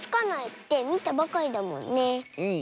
うん。